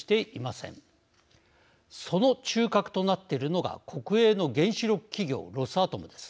その中核となってるのが国営の原子力企業ロスアトムです。